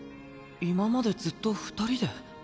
今までずっと二人で？